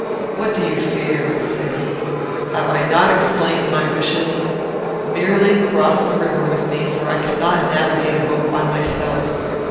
"What do you fear?" said he. "Have I not explained my wishes? Merely cross the river with me, for I cannot navigate a boat by myself.